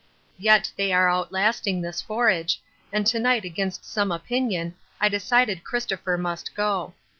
Yet they are outlasting the forage, and to night against some opinion I decided Christopher must go.